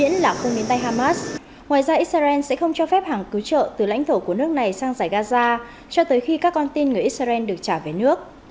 ngoài ra israel sẽ không cho phép hàng cứu trợ từ lãnh thổ của nước này sang giải gaza cho tới khi các con tin người israel được trả về nước